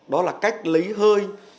đó là cách lấy hơi